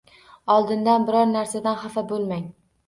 Oldindan biron narsadan xafa bo'lmang.